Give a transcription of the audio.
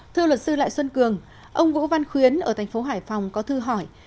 thưa luật sư lại xuân cường ông vũ văn khuyến ở thành phố hải phòng có thư hỏi